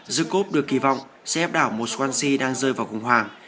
giữa cốp được kỳ vọng sẽ ép đảo một swansea đang rơi vào khủng hoảng